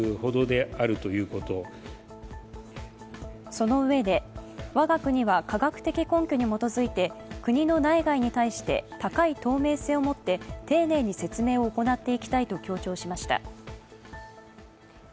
そのうえで、我が国は科学的根拠に基づいて国の内外に対して高い透明性を持って丁寧に説明を行っていきたいと強調しました。